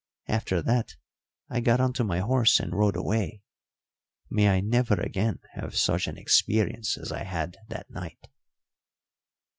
After that I got on to my horse and rode away. May I never again have such an experience as I had that night."